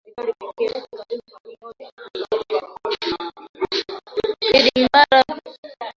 idd mubarak wote asante sana na